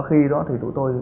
khi đó thì tụi tôi